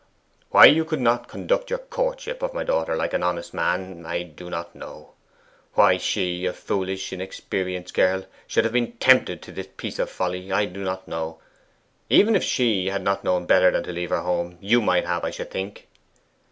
Why you could not conduct your courtship of my daughter like an honest man, I do not know. Why she a foolish inexperienced girl should have been tempted to this piece of folly, I do not know. Even if she had not known better than to leave her home, you might have, I should think.